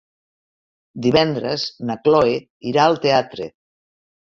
Divendres na Cloè irà al teatre.